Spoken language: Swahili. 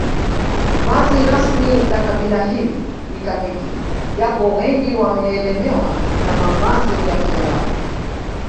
Vazi rasmi la kabila hili ni kaniki japo wengi wameelemewa na mavazi ya kiarabu